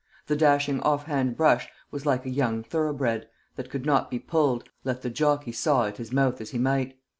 The dashing offhand brush was like a young thoroughbred, that could not be pulled, let the jockey saw at his mouth as he might.